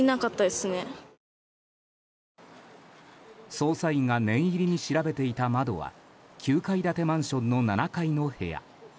捜査員が念入りに調べていた窓は９階建てマンションの７階の部屋。